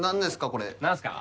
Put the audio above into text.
これ何すか？